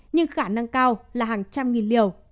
nhưng khả năng cao là hàng trăm nghìn liều